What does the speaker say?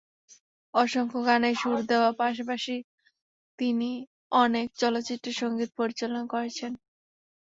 অসংখ্য গানে সুর দেওয়ার পাশাপাশি তিনি অনেক চলচ্চিত্রে সংগীত পরিচালনা করেছেন।